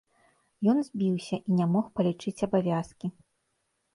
Ён збіўся і не мог палічыць абавязкі.